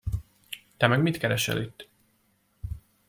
Te meg mit keresel itt?